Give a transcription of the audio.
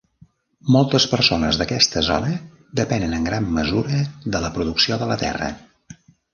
Moltes persones d'aquesta zona depenen en gran mesura de la producció de la terra.